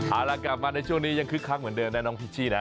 เอาล่ะกลับมาในช่วงนี้ยังคึกคักเหมือนเดิมนะน้องพิชชี่นะ